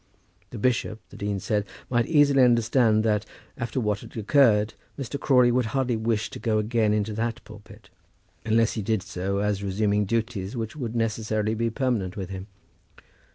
The bishop, the dean said, might easily understand that, after what had occurred, Mr. Crawley would hardly wish to go again into that pulpit, unless he did so as resuming duties which would necessarily be permanent with him.